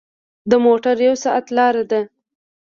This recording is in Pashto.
د موټر یو ساعت لاره ده.